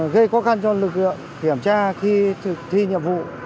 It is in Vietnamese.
gây khó khăn cho lực lượng kiểm tra khi thực thi nhiệm vụ